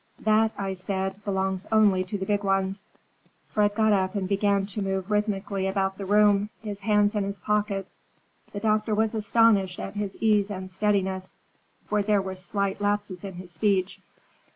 That, I said, belongs only to the big ones." Fred got up and began to move rhythmically about the room, his hands in his pockets. The doctor was astonished at his ease and steadiness, for there were slight lapses in his speech.